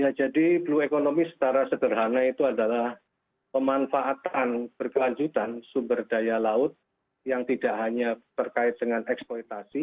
ya jadi blue economy secara sederhana itu adalah pemanfaatan berkelanjutan sumber daya laut yang tidak hanya terkait dengan eksploitasi